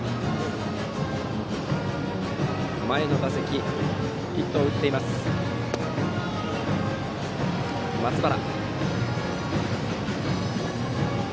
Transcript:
前の打席はヒットを打っています松原。